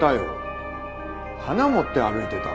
花を持って歩いてた。